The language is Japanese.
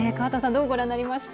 どうご覧になりました？